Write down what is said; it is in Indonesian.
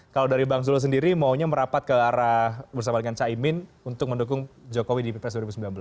kalau dari bang zul sendiri maunya merapat ke arah bersama dengan caimin untuk mendukung jokowi di pilpres dua ribu sembilan belas